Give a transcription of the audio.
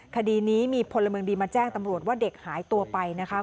คดีนี้มีพลเมืองดีมาแจ้งตำรวจว่าเด็กหายตัวไปนะคะ